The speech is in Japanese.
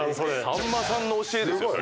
さんまさんの教えですよそれ。